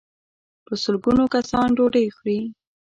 په سل ګونو کسان ډوډۍ خوري.